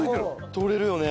取れるよね。